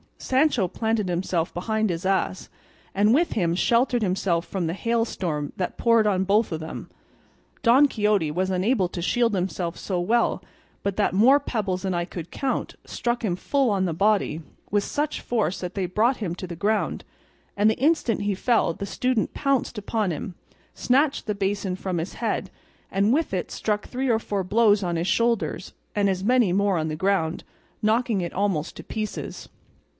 Sancho planted himself behind his ass, and with him sheltered himself from the hailstorm that poured on both of them. Don Quixote was unable to shield himself so well but that more pebbles than I could count struck him full on the body with such force that they brought him to the ground; and the instant he fell the student pounced upon him, snatched the basin from his head, and with it struck three or four blows on his shoulders, and as many more on the ground, knocking it almost to pieces.